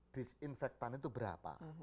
disinfektan itu berapa